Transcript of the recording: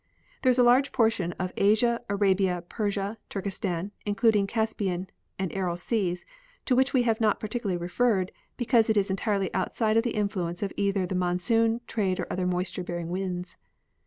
There is a large portion of Asia, Arabia, Persia, Turkestan, including Caspian and 7^ral seas, to Avhich we have not par ticularly referred because it is entirely outside of the influence of either the monsoon, trade, or other moisture bearing winds.